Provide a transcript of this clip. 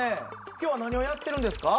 今日は何をやってるんですか？